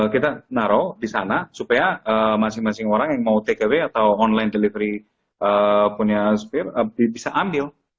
kita naruh di sana supaya masing masing orang yang mau take away atau online delivery punya spear bisa ambil